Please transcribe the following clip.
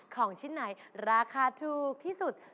ของชิ้นไหนราคาถูกที่สุด